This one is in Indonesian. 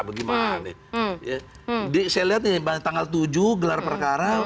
jadi saya lihat nih tanggal tujuh gelar perkara